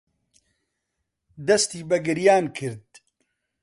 دەستی بە گریان کرد.